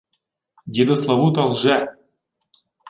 — Дідо Славута лже.